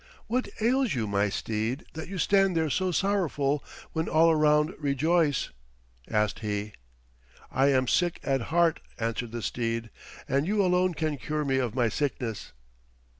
"What ails you, my steed, that you stand there so sorrowful when all around rejoice?" asked he. "I am sick at heart," answered the steed, "and you alone can cure me of my sickness."